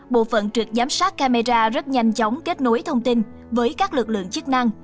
bộ phận trực giám sát camera rất nhanh chóng kết nối thông tin với các lực lượng chức năng